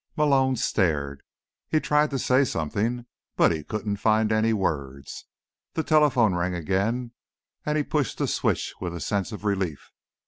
5 Malone stared. He tried to say something but he couldn't find any words. The telephone rang again and he pushed the switch with a sense of relief.